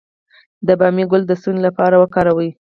د بامیې ګل د ستوني لپاره وکاروئ